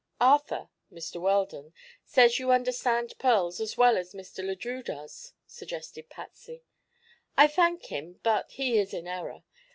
"Arthur Mr. Weldon says you understand pearls as well as Mr. Le Drieux does," suggested Patsy. "I thank him; but he is in error.